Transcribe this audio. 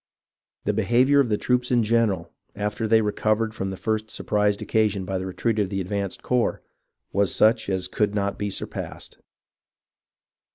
The behaviour of the troops in general, after they recovered from the first surprise occasioned by the retreat of the advanced corps, was such as could not be sur passed.